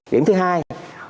điểm thứ hai